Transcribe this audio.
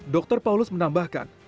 dr paulus menambahkan